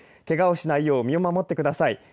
けがをしないように身を守ってください。